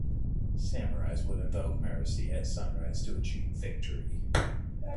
Samurai would invoke Marici at sunrise to achieve victory.